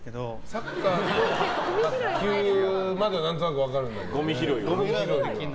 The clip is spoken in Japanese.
サッカーと卓球までは何となく分かるんだけど。